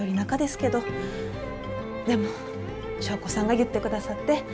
でも祥子さんが言ってくださって。